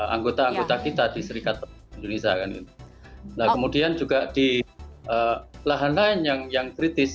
anggota anggota kita di serikat indonesia nah kemudian juga di lahan lain yang yang kritis